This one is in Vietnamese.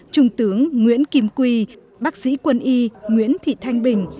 trung tướng nguyễn kim quy bác sĩ quân y nguyễn thị thanh bình